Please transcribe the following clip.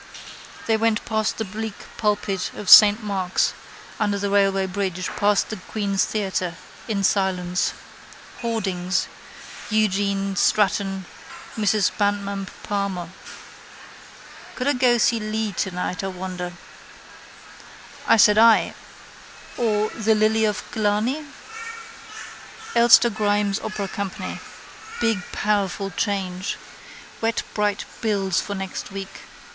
They went past the bleak pulpit of saint Mark's, under the railway bridge, past the Queen's theatre: in silence. Hoardings: Eugene Stratton, Mrs Bandmann Palmer. Could I go to see Leah tonight, I wonder. I said I. Or the Lily of Killarney? Elster Grimes Opera Company. Big powerful change. Wet bright bills for next week.